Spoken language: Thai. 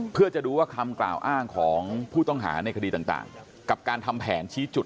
เพื่อจะดูว่าคำกล่าวอ้างของผู้ต้องหาในคดีต่างกับการทำแผนชี้จุด